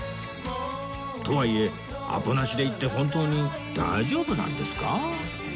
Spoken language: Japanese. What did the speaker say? とはいえアポなしで行って本当に大丈夫なんですか？